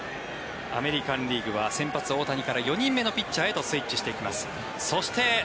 アメリカン・リーグは先発大谷から４人目のピッチャーへとスイッチしていきます。